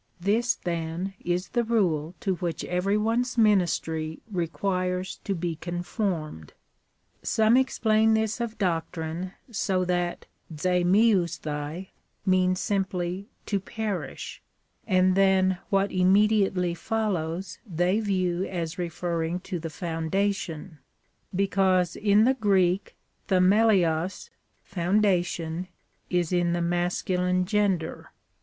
This, then, is the rule to which every one's ministry requires to be conformed. Some explain this of doctrine, so that ^n^fiLovcrdai} means ?,\m^\j to perish, and then what immediately follows they view as referring to the foun dation, because in the Greek 6e/j,ekio<; (foundation) is in the masculine gender.